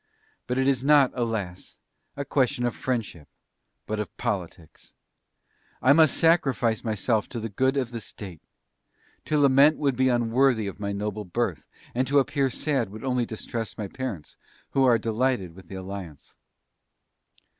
But it is not, alas! a question of friendship but of politics. I must sacrifice myself to the good of the State. To lament would be unworthy of my noble birth, and to appear sad would only distress my parents, who are delighted with the alliance."